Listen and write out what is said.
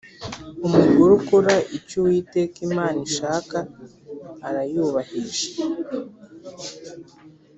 umugore ukora icyo uwiteka imana ishaka arayubahisha